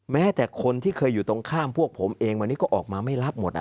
แม้แต่คนที่เคยอยู่ตรงข้ามพวกผมเองวันนี้ก็ออกมาไม่รับหมด